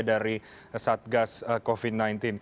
dari satgas covid sembilan belas